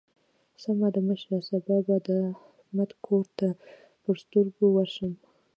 سمه ده مشره؛ سبا به د احمد کور ته پر سترګو ورشم.